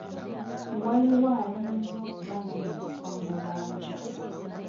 Waliwo ayinza okuba n'omuntu amubanja.